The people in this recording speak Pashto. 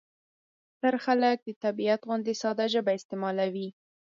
ستر خلک د طبیعت غوندې ساده ژبه استعمالوي.